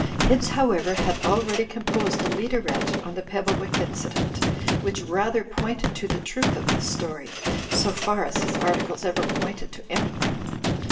Hibbs However had already composed a leaderette on the Pebblewick incident, which rather pointed to the truth of the story, so far as his articles ever pointed to any thing.